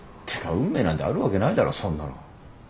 てか運命なんてあるわけないだろそんなの。